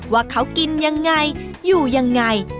ว่าเขากินยังไงอยู่ยังไง